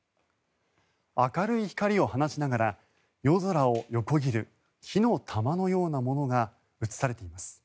明るい光を放ちながら夜空を横切る火の玉のようなものが映されています。